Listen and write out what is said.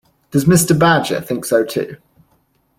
Does Mr. Badger think so too?